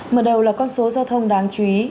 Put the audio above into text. mở đầu là con số giao thông đáng chú ý